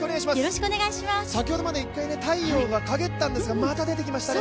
先ほどまで一回太陽が陰ったんですが、また出てきましたね。